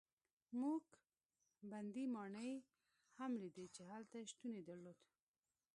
موږ بندي ماڼۍ هم لیدې چې هلته شتون یې درلود.